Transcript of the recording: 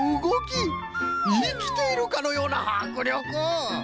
いきているかのようなはくりょく！